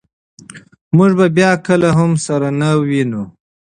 موږ به بیا کله هم سره نه وینو.